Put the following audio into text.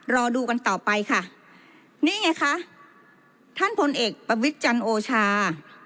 รอดูกันต่อไปค่ะนี่ไงคะท่านพลเอกประวิทย์จันโอชา